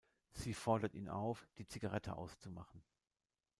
Sie fordert ihn auf, die Zigarette auszumachen.